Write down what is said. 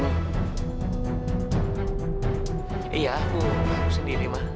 iya aku aku sendiri ma